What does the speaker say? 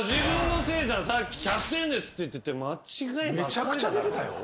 めちゃくちゃ出てたよ。